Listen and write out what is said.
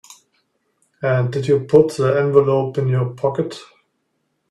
And did you put the envelope in your pocket?